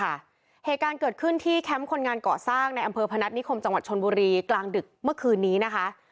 เหตุการณ์เกิดขึ้นที่แคมป์คนงานเกาะสร้างในอำเภอพนัฐนิคมจังหวัดชนบุรีกลางดึกเมื่อคืนนี้นะคะ